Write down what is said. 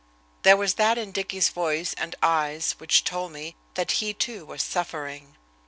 There was that in Dicky's voice and eyes which told me that he, too, was suffering.